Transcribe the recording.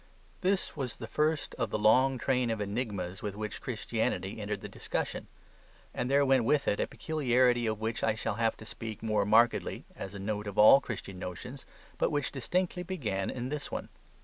This was the first of the long train of enigmas with which Christianity entered the discussion. And there went with it a peculiarity of which I shall have to speak more markedly, as a note of all Christian notions, but which distinctly began in this one.